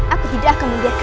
aku tidak akan membiarkan